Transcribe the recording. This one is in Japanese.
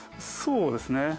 そうですね。